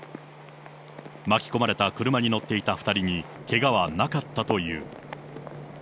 巻き込まれた車に乗っていた２人に、けがはなかったという。